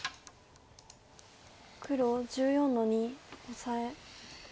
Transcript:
黒１４の二オサエ。